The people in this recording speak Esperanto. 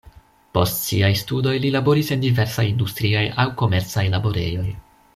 Post siaj studoj li laboris en diversaj industriaj aŭ komercaj laborejoj.